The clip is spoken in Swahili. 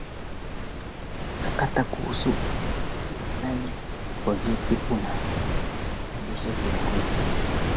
Hata hivyo Jacob Matata alijua hakuwa na muda wa kusikilizia maumivu